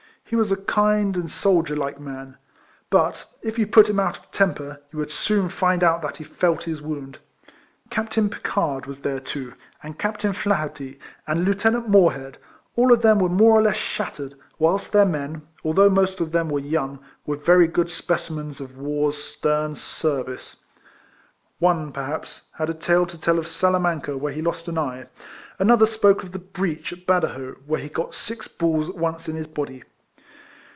He was a kind and soldier like man, but if you put him out of temper, you would soon find out that he felt his wound. Captain Picard was there, too, and Captain Flaherty, and Lieutenant Moorhead; all of them were more or less shattered, whilst their men, although most of them were young, were very good 278 RECOLLECTIONS OF specimens of war's stern service. One, perhaps, liad a tale to tell of Salamanca, where lie lost an eye, another spoke of the breach at Badajoz, where he got six balls at once in his body.